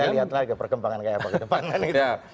kita lihat lagi perkembangan kayak apa ke depan kan